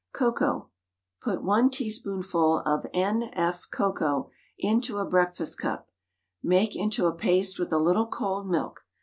COCOA. Put 1 teaspoonful of N.F. cocoa into a breakfast cup; make into a paste with a little cold milk.